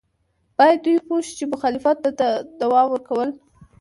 باید دوی پوه شي چې مخالفت ته دوام ورکول.